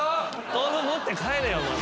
豆腐持って帰れよもう。